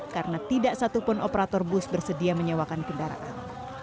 karena tidak satupun operator bus bersedia menyewakan kendaraan